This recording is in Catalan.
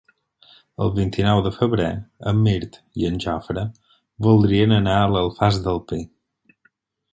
El vint-i-nou de febrer en Mirt i en Jofre voldrien anar a l'Alfàs del Pi.